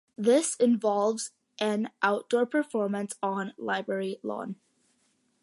This involves an outdoor performance on Library Lawn.